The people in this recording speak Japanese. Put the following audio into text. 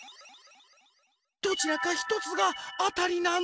どちらかひとつがあたりなの。